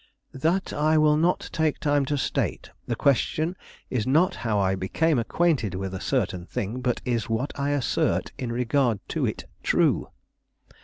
"That I will not take time to state. The question is not how I became acquainted with a certain thing, but is what I assert in regard to it true.